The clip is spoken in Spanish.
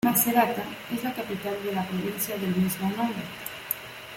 Macerata es la capital de la provincia del mismo nombre.